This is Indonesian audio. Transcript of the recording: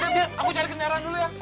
nya aku cari kenaran dulu ya